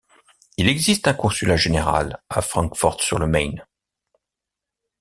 Il existe un consulat général a Francfort-sur-le-Main.